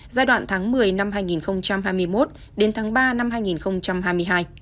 giai đoạn tháng một mươi năm hai nghìn hai mươi một đến tháng ba năm hai nghìn hai mươi hai